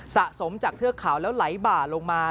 สะสมจากเทือกเขาแล้วไหลบ่าลงมา